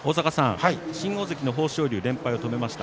新大関豊昇龍、連敗を止めました